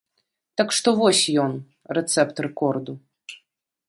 Так што вось ён, рэцэпт рэкорду.